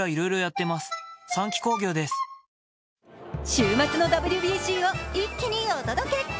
週末のＷＢＣを一気にお届け。